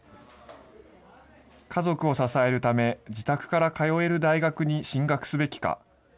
家族を支えるため自宅から通える大学に進学すべきか。